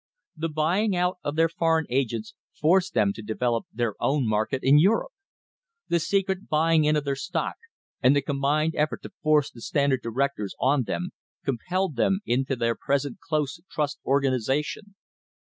The buy ing out of their foreign agents forced them to develop their own market in Europe. The secret buying in of their stock, and the combined effort to force the Standard directors on them, compelled them into their present close trust organisa tion.